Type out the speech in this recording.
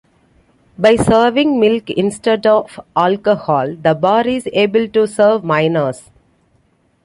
By serving milk instead of alcohol, the bar is able to serve minors.